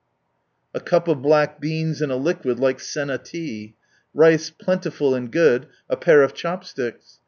A cup of black beans in a liquid like senna tea. Rice plentiful and good, a pair of chopsticks.